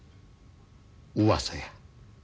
うわさや。